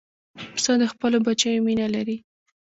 پسه د خپلو بچیو مینه لري.